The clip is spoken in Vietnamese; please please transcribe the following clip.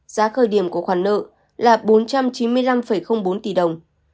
giá khởi điểm của khoản nợ là bốn trăm chín mươi năm bốn tỷ đồng